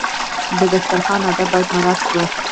د دسترخوان آداب باید مراعات کړو.